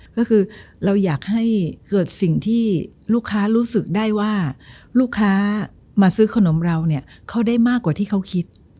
ก็คือเราอยากให้เกิดสิ่งที่ลูกค้ารู้สึกได้ว่าลูกค้ามาซื้อขนมเราเนี่ยเขาได้มากกว่าที่เขาคิด